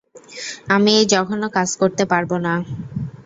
আমি এই জঘন্য কাজ করতে পারবোনা।